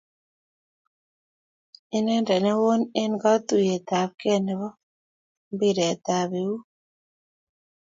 Inendet newon en katuyet ab kee nebo mpiret ab out